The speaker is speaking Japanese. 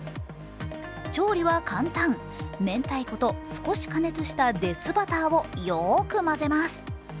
調理は簡単、明太子と少し加熱したデスバターをよく混ぜます。